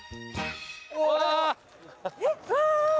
うわ。